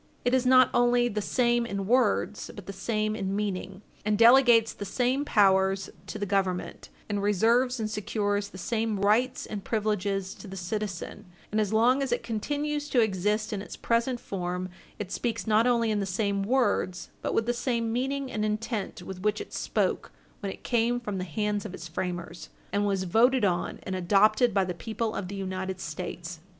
It is not only the same in words, but the same in meaning, and delegates the same powers to the Government, and reserves and secures the same rights and privileges to the citizen; and as long as it continues to exist in its present form, it speaks not only in the same words, but with the same meaning and intent with which it spoke when it came from the hands of its framers and was voted on and adopted by the people of the United States.